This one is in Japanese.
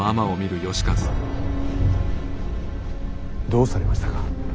どうされましたか。